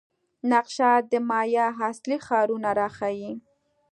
نقشه د مایا اصلي ښارونه راښيي.